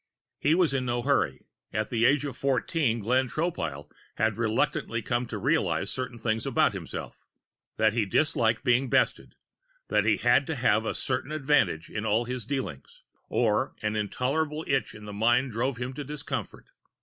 He was in no hurry. At the age of fourteen, Glenn Tropile had reluctantly come to realize certain things about himself that he disliked being bested, that he had to have a certain advantage in all his dealings, or an intolerable itch of the mind drove him to discomfort.